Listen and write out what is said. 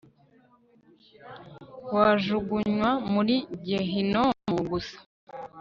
wajugunywa muri gehinomu gusa